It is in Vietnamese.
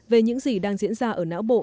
về những gì đang diễn ra ở não bộ